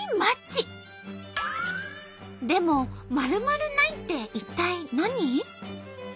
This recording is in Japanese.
でも〇〇ないって一体何？